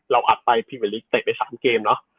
เราอัดไปพี่เวลลิกเตะไป๓เกมเนอะ